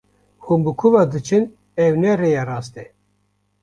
Hûn bi ku ve diçin, ew ne rêya rast e.